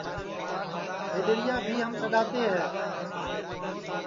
بھیڈؔیریا بھی ہم سڈؔاتے ہے